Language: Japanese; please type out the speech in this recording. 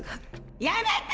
やめて！